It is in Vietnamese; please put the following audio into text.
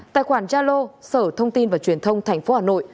hai tài khoản jalo sở thông tin và truyền thông thành phố hà nội